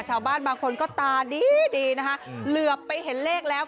ชาวบ้านบางคนก็ตาดีดีนะคะเหลือไปเห็นเลขแล้ว